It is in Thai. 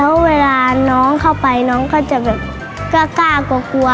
เพราะเวลาน้องเข้าไปน้องก็จะแบบกล้ากลัวกลัว